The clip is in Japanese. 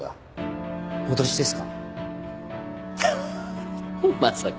脅しですか？